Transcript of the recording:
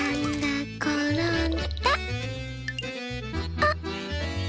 あっ！